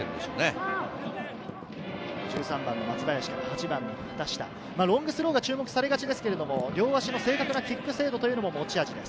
１３番の松林、８番の畑下、ロングスローが注目されがちですけれど、両足の正確なキック精度というのも持ち味です。